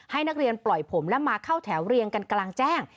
ให้นักเรียนปล่อยผมและมาเข้าแถวเรียงกันกลางแจ้ง